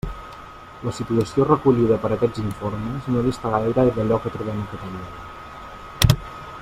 La situació recollida per aquests informes no dista gaire d'allò que trobem a Catalunya.